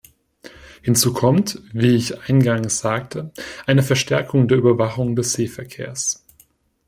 Hinzu kommt, wie ich eingangs sagte, eine Verstärkung der Überwachung des Seeverkehrs.